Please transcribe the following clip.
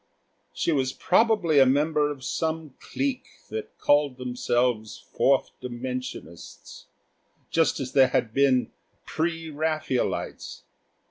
She was probably a member of some clique that called themselves Fourth Dimensionists just as there had been pre Raphaelites.